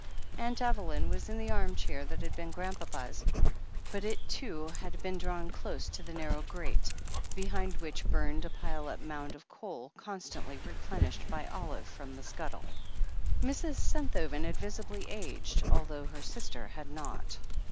Aunt Evelyn was in the arm chair that had been Grandpapa's, but it, too, had been drawn close to the narrow grate, behind which burned a piled up motmd of coal, con stantly replenished by Olive from the scuttle. Mrs. Senthoven had visibly aged, although her sister had not.